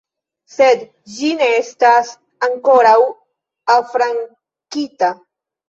Sed ĝi ne estas ankoraŭ afrankita.